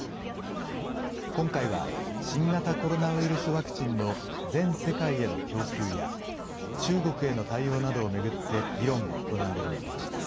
今回は、新型コロナウイルスワクチンの全世界への供給や、中国への対応などを巡って、議論が行われる見通しです。